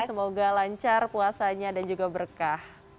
semoga lancar puasanya dan juga berkah